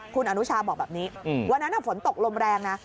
คุณอนุชาบอกแบบนี้วันนั้นฝนตกลมแรงนะ